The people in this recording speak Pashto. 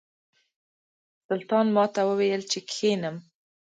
سلطان ماته وویل چې کښېنم.